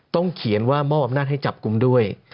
เขียนว่ามอบอำนาจให้จับกลุ่มด้วย